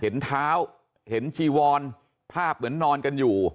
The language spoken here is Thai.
เห็นเท้าเห็นจีวอนภาพเหมือนนอนกันอยู่